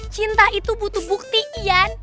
cinta itu butuh bukti ian